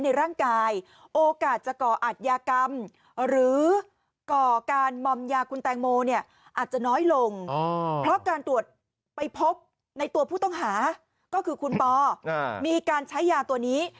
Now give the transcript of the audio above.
ในร่างกายโอกาสจะก่ออัตยากรรมหรือก่อการมอมยาคุณแตงโมเนี่ยอาจจะน้อยลงเพราะการตรวจไปพบในตัวผู้ต้องหาก็คือคุณปอมีการใช้ยาตัวนี้